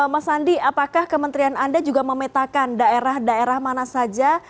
mas andi apakah kementerian anda juga memetakan daerah daerah mana saja